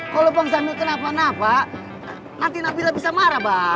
kalau bang zahmil kenapa napa nanti nabilah bisa marah bang